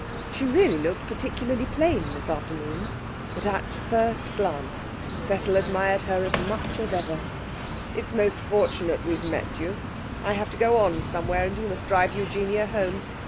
She really looked particularly plain this afternoon, but at the first glance Cecil admired her as much as ever. 'It's most fortunate we've met you. I have to go on somewhere, and you must drive Eugenia home.